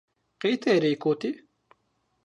Qey ti erey kewtî?